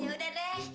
ya udah deh